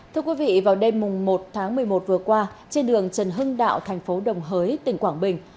thưa quý vị vào đêm một tháng một mươi một vừa qua trên đường trần hưng đạo tp đồng hới tp quảng bình